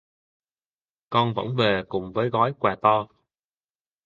Con vẫn về cùng với gói quà to